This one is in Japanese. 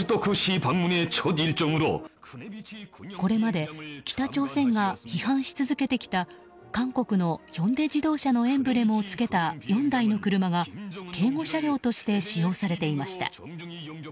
これまで北朝鮮が批判し続けてきた韓国のヒョンデ自動車のエンブレムを付けた４台の車が警護車両として使用されていました。